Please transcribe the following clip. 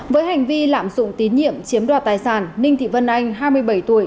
với hành vi lạm dụng tín nhiệm chiếm đoạt tài sản ninh thị vân anh hai mươi bảy tuổi